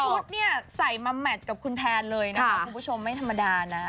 ชุดเนี่ยใส่มาแมทกับคุณแพนเลยนะคะคุณผู้ชมไม่ธรรมดานะ